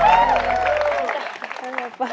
ทำได้หรือไม่ได้